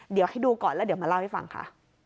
เดี๋ยวให้ดูก่อนแล้วเดี๋ยวมาเล่าให้ฟังค่ะ